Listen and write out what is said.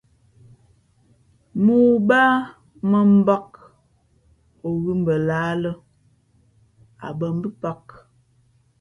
Mōō baā mᾱ mbāk, o ghʉ̂ mbα lahā lᾱ, a bᾱ mbʉ̄pāk.